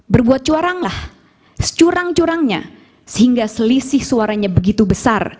berbuat cuaranglah securang curangnya sehingga selisih suaranya begitu besar